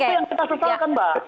itu yang kita sesalkan mbak